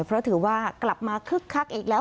เพราะถือว่ากลับมาคึกคักอีกแล้ว